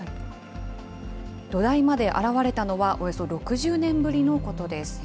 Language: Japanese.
土台まで現れたのは、およそ６０年ぶりのことです。